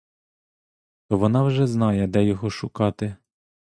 То вона вже знає, де його шукати.